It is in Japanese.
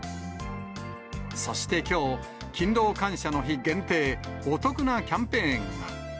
そしてきょう、勤労感謝の日限定、お得なキャンペーンが。